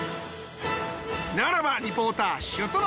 ならばリポーター出動！